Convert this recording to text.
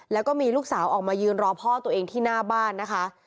แล้วก็มีลูกสาวออกมายืนรอพ่อตัวเองที่หน้าบ้านนะคะ